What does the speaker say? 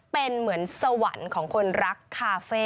เป็นเหมือนสวรรค์ของคนรักคาเฟ่